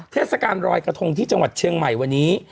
เทศกาลรอยกระทงที่จังหวัดเชียงใหม่วันนี้